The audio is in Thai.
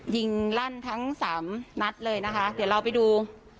ลั่นทั้งสามนัดเลยนะคะเดี๋ยวเราไปดู